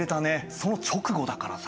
その直後だからさ。